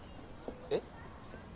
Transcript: えっ？